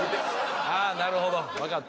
あなるほど分かった。